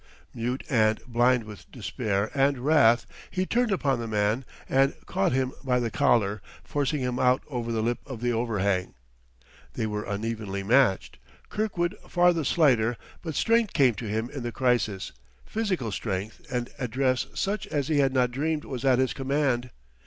Mute and blind with despair and wrath, he turned upon the man and caught him by the collar, forcing him out over the lip of the overhang. They were unevenly matched, Kirkwood far the slighter, but strength came to him in the crisis, physical strength and address such as he had not dreamed was at his command.